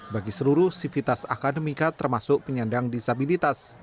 bagi seluruh sivitas akademika termasuk penyandang disabilitas